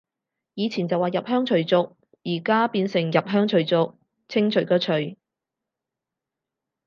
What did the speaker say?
以前就話入鄉隨俗，而家變成入鄉除族，清除個除